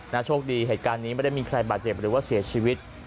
โชคดีเหตุการณ์นี้ไม่ได้มีใครบาดเจ็บหรือว่าเสียชีวิต